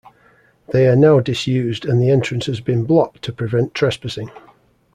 They are now disused and the entrance has been blocked to prevent trespassing.